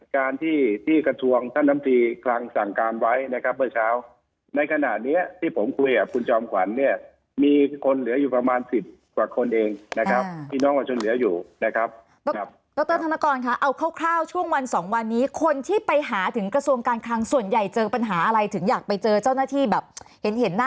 การที่ที่กระทรวงท่านน้ำตีคลังสั่งการไว้นะครับเมื่อเช้าในขณะเนี้ยที่ผมคุยกับคุณจอมขวัญเนี่ยมีคนเหลืออยู่ประมาณสิบกว่าคนเองนะครับพี่น้องประชาชนเหลืออยู่นะครับดรธนกรคะเอาคร่าวช่วงวันสองวันนี้คนที่ไปหาถึงกระทรวงการคลังส่วนใหญ่เจอปัญหาอะไรถึงอยากไปเจอเจ้าหน้าที่แบบเห็นเห็นหน้า